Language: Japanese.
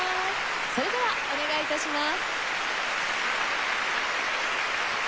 それではお願い致します。